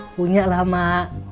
punya lah mak